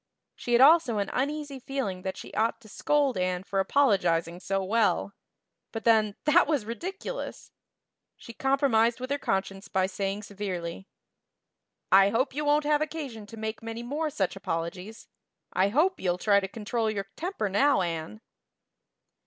She had also an uneasy feeling that she ought to scold Anne for apologizing so well; but then, that was ridiculous! She compromised with her conscience by saying severely: "I hope you won't have occasion to make many more such apologies. I hope you'll try to control your temper now, Anne."